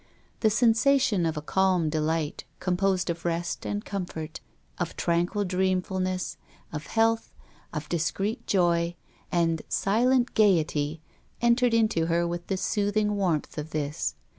The sensation of a calm delight composed of rest and comfort, of tranquil dreamfulness, of health, of discreet joy, and silent gaiety, entered into her with the soothing warmth of this.